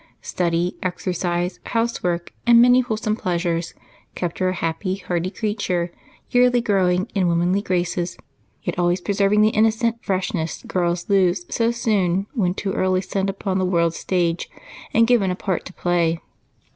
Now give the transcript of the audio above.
Study, exercise, housework, and many wholesome pleasures kept her a happy, hearty creature, yearly growing in womanly graces, yet always preserving the innocent freshness girls lose so soon when too early set upon the world's stage and given a part to play.